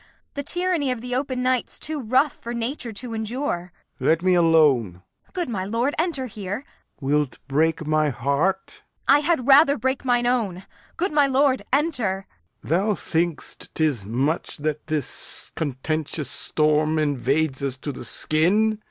The tyranny of the open night 's too rough For nature to endure. Lear. Let me alone. Kent. Good my lord, enter here. Lear. Wilt break my heart? Kent. I had rather break mine own. Good my lord, enter. Lear. Thou think'st 'tis much that this contentious storm Invades us to the skin.